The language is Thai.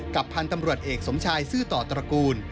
พันธุ์ตำรวจเอกสมชายซื่อต่อตระกูล